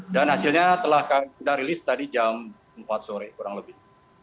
dan hasilnya telah kita rilis tadi jam empat sore kurang lebih